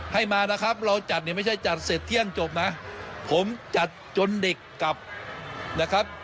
ให้มานะครับเราจัดเนี่ยไม่ใช่จัดเสร็จเที่ยงจบนะผมจัดจนเด็กกลับนะครับ